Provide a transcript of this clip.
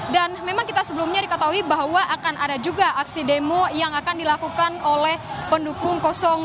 dan memang kita sebelumnya diketahui bahwa akan ada juga aksi demo yang akan dilakukan oleh pendukung dua